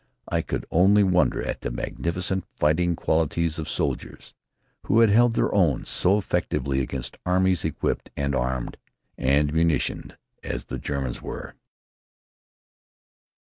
I could only wonder at the magnificent fighting qualities of soldiers who had held their own so effectively against armies equipped and armed and munitioned as the Germans were.